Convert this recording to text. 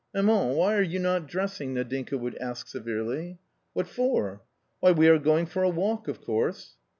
" Maman, why are you not dressing ?" Nadinka would ask severely. " What for ?"" Why, we are going for a walk, of course."